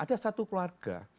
ada satu keluarga